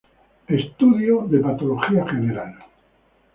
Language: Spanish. Estudio de Patología General".